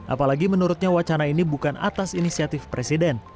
apalagi menurutnya wacana ini bukan atas inisiatif presiden